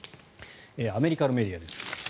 アメリカのメディアです。